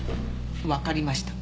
わかりました。